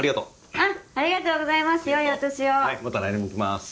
はい！